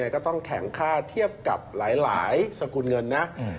ก็ต้องแข็งค่าเทียบกับหลายสกุลเงินนะ